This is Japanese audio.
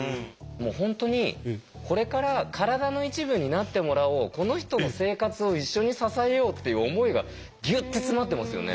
もう本当にこれから体の一部になってもらおうこの人の生活を一緒に支えようっていう思いがギュッて詰まってますよね。